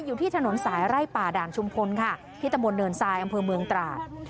อยู่ที่ถนนสายไร่ป่าด่านชุมพลค่ะที่ตะบนเนินทรายอำเภอเมืองตราด